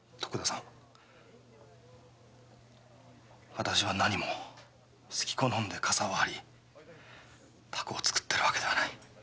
私は何も好きこのんで傘を張り凧を作ってるわけではない。